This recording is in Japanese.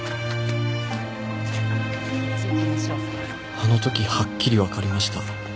あの時はっきりわかりました。